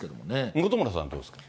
本村さん、どうですか。